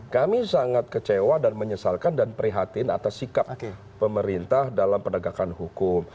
kami sangat kecewa dan menyesalkan dan prihatin atas sikap pemerintah dalam penegakan hukum